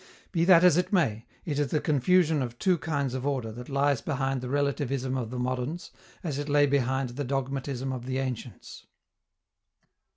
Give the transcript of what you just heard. Be that as it may, it is the confusion of two kinds of order that lies behind the relativism of the moderns, as it lay behind the dogmatism of the ancients.